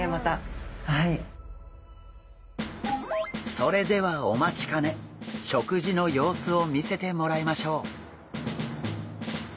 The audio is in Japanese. それではお待ちかね食事の様子を見せてもらいましょう。